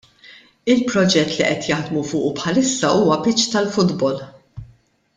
Il-proġett li qed jaħdmu fuqu bħalissa huwa pitch tal-futbol.